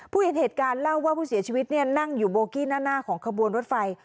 เห็นเหตุการณ์เล่าว่าผู้เสียชีวิตนั่งอยู่โบกี้หน้าของขบวนรถไฟ